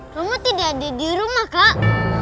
romo tidak ada dirumah kak